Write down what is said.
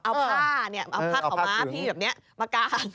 เอาผ้าเอาผ้าของม้าพี่อย่างนี้มาการ